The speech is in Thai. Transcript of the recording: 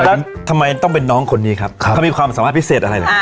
ทำไมต้องเป็นน้องคนนี้ครับเขามีความสามารถพิเศษอะไรล่ะ